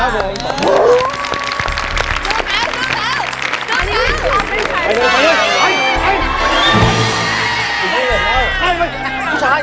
ไปเลยไปเลย